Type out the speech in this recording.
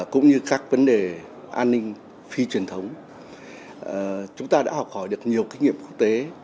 cũng như các vấn đề an ninh phi truyền thống chúng ta đã học hỏi được nhiều kinh nghiệm quốc tế